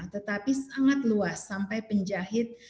tetapi sangat luas sampai penjahit